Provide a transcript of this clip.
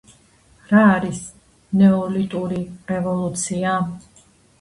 რა არის “ნეოლიტური რევოლუცია”?